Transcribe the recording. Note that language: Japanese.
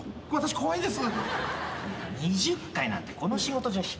怖いです。